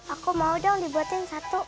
aku mau dong dibuatin satu